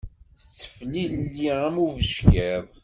Tetteflili am ubeckiḍ.